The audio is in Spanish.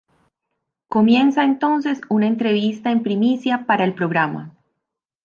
Comienza entonces una entrevista en primicia para el programa.